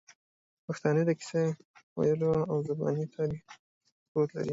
پښتانه د کیسې ویلو او زباني تاریخ دود لري.